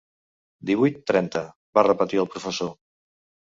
Divuit trenta, va repetir el professor.